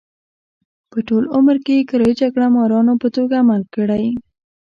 په ټول عمر کې یې کرایي جګړه مارانو په توګه عمل کړی.